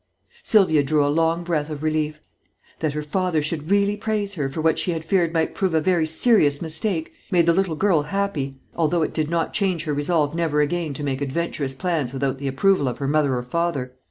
Sylvia drew a long breath of relief. That her father should really praise her for what she had feared might prove a very serious mistake made the little girl happy although it did not change her resolve never again to make adventurous plans without the approval of her mother or father.